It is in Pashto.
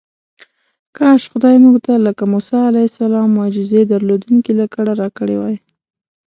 کاش خدای موږ ته لکه موسی علیه السلام معجزې درلودونکې لکړه راکړې وای.